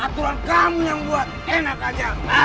aturan kamu yang buat enak aja